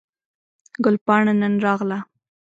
ګل پاڼه نن راغله